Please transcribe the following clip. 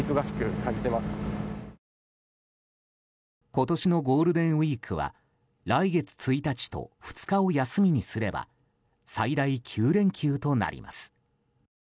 今年のゴールデンウィークは来月１日と２日を休みにすれば最大９連休となります。